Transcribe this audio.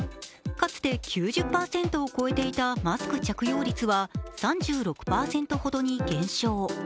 かつて９０％を超えていたマスク着用率は３６％ほどに減少。